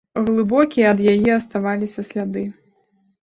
Глыбокія ад яе аставаліся сляды.